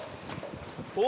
お！